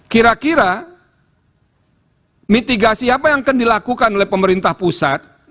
kira kira mitigasi apa yang akan dilakukan oleh pemerintah pusat